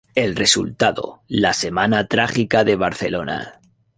El resultado: la Semana Trágica de Barcelona.